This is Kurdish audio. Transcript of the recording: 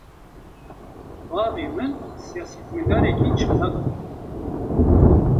Bavê min, siyasetmedarekî çalak bû